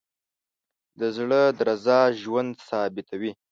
د زړه درزا ژوند ثابتوي.